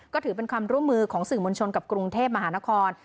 ก็ถือเป็นความร่วมมือของสื่อมวลชนกับกรุงเทพมหานคร